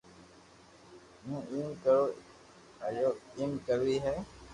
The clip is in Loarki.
ھون ايم ڪرو ابا ايم ڪروي ھي